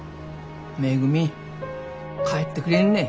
めぐみ帰ってくれんね。